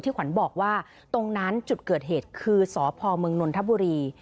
ขวัญบอกว่าตรงนั้นจุดเกิดเหตุคือสพมนนทบุรี